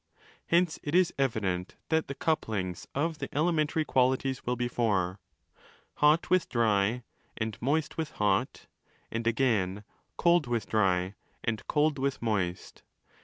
Hence it is evident that the 'couplings' of the elementary qualities will be four: 330" hot with dry and moist with hot, and again cold with dry and cold with moist.